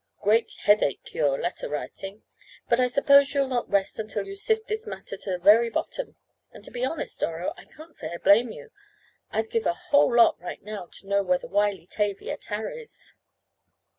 "Great headache cure—letter writing. But I suppose you'll not rest until you sift this matter to the very bottom. And, to be honest, Doro, I can't say I blame you. I'd give a whole lot, right now, to know where the wily Tavia tarries."